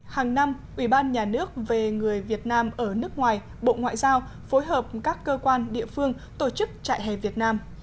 hàng năm ủy ban nhà nước về người việt nam ở nước ngoài bộ ngoại giao phối hợp các cơ quan địa phương tổ chức trại hè việt nam